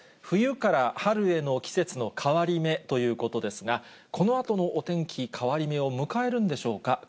冬から春への季節の変わり目ということですが、このあとのお天気、変わり目を迎えるんでしょうか。